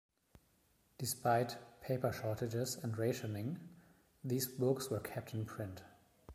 Despite paper shortages and rationing, these books were kept in print.